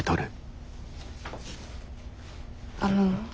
あの。